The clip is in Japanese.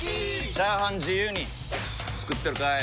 チャーハン自由に作ってるかい！？